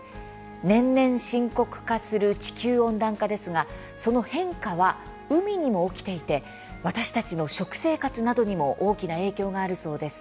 年々深刻化する地球温暖化ですがその変化は海にも起きていて私たちの食生活などにも大きな影響があるそうです。